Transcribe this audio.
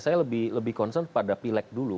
saya lebih concern pada pileg dulu